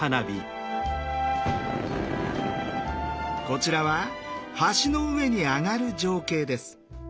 こちらは橋の上に上がる情景です。